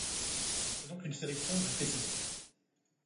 C'est donc une série sombre et pessimiste.